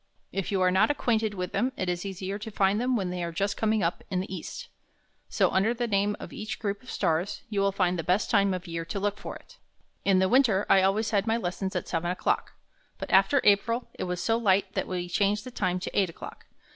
If you are not acquainted with them, it is easier to find them when they are just coming up in the east. So under the name of each group of stars, you will find the best time of year to look for it. In the winter, I always had my lessons at seven o'clock, but after April it was so light that we changed the time to eight o'clock.